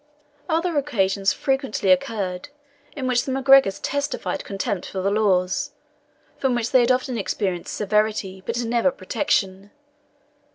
Other occasions frequently occurred, in which the MacGregors testified contempt for the laws, from which they had often experienced severity, but never protection.